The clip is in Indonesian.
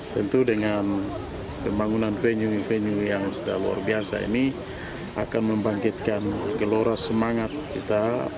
tentu dengan pembangunan venue venue yang sudah luar biasa ini akan membangkitkan gelora semangat kita